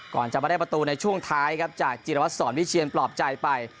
ก่อนจะมาได้ประตูในช่วงท้ายครับจากจิรวัตรสอนวิเชียนปลอบใจไป